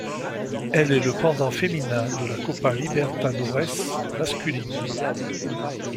Elle est le pendant féminin de la Copa Libertadores masculine.